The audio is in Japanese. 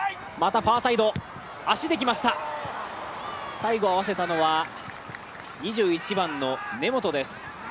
最後、合わせたのは２１番の根元です。